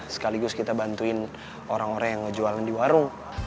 sekaligus kita bantuin orang orang yang ngejualan di warung